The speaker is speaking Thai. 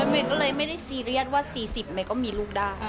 เมย์ก็เลยไม่ได้ซีเรียสว่า๔๐เมย์ก็มีลูกได้